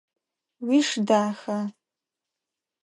Уиш даха?